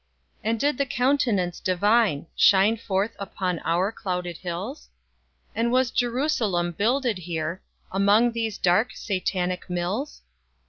And did the Countenance Divine Shine forth upon our clouded hills? And was Jerusalem builded here Among these dark Satanic mills?